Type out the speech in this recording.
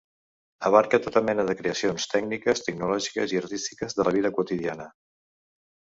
Abarca tota mena de creacions tècniques, tecnològiques i artístiques de la vida quotidiana.